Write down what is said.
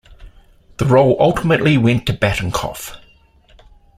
The role ultimately went to Batinkoff.